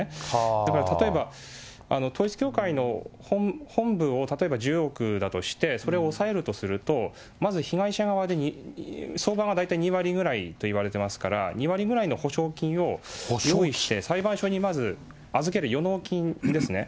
だから例えば、統一教会の本部を、例えば１０億だとして、それを押さえるとすると、まず被害者側で、相場が大体２割ぐらいといわれてますから、２割ぐらいの補償金を用意して裁判所にまず預ける、予納金ですね。